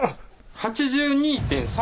８２．３？